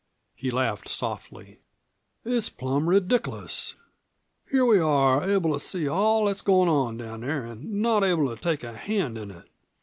He laughed softly. "It's plum re diculous. Here we are, able to see all that's goin' on down there an' not able to take a hand in it.